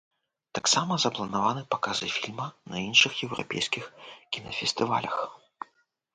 Таксама запланаваны паказы фільма на іншых еўрапейскіх кінафестывалях.